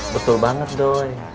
betul banget doy